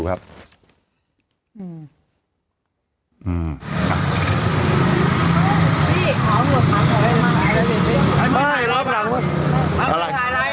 อุ๊ยอุ๊ยอุ๊ย